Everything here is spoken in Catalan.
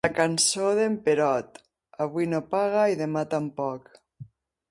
La cançó d'en Perot: avui no paga i demà tampoc.